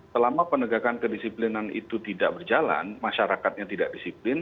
selama penegakan kedisiplinan itu tidak berjalan masyarakatnya tidak disiplin